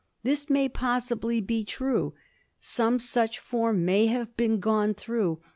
This may possibly be true; some such form may have been gone through.